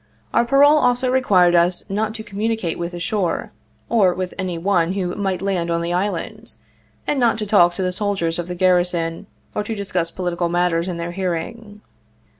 Our parole also required us not to com municate with the shore, or with any one who might land on the island, and not to talk to the soldiers of the garri son, or to discuss political matters in their hearing.